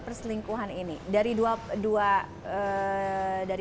perselingkuhan ini dari dua